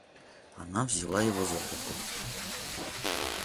Она взяла его за руку.